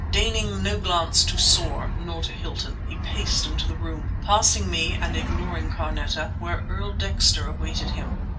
Deigning no glance to Soar nor to Hilton, he paced into the room, passing me and ignoring Carneta, where Earl Dexter awaited him.